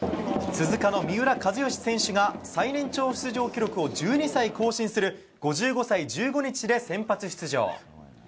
鈴鹿の三浦知良選手が最年長出場記録を１２歳更新する５５歳１５日で先発出場。